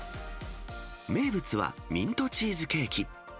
名物はミントチーズケーキ。